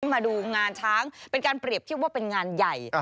มาดูงานช้างเป็นการเปรียบเทียบว่าเป็นงานใหญ่